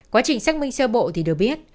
quá trình xác minh sơ bộ thì được biết